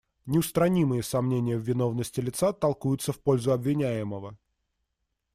Неустранимые сомнения в виновности лица толкуются в пользу обвиняемого.